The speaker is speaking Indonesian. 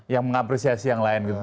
yang mengapresiasi yang lain gitu